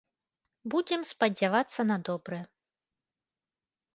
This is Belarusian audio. Будзем спадзявацца на добрае.